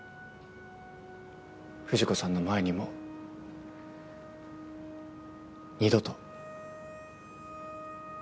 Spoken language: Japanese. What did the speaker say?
藤子さんの前にも二度と。